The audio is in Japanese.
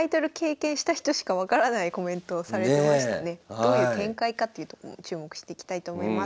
どういう展開かっていうとこも注目していきたいと思います。